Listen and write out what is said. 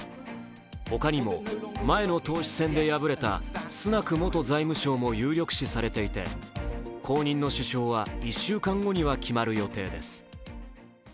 ほかにも前の党首選で敗れたスナク元財務相も有力視されていて後任の首相は１週間後には決まる予定です。